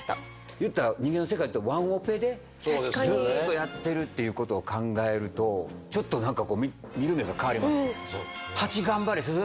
言ったら人間の世界で言うとワンオペでずっとやってるっていうことを考えるとちょっと何か見る目が変わります。